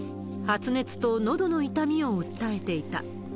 発熱とのどの痛みを訴えていた。